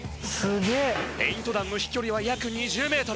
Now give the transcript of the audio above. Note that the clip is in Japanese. ペイント弾の飛距離は約２０ｍ。